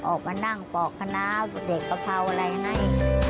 ออกมานั่งปอกขนาดเด็กกะเพราอะไรให้